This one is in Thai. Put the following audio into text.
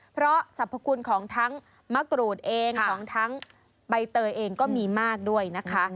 เพราะสรรพคุณของทั้งมะกรูดเองของทั้งใบเตยเองก็มีมากด้วยนะคะ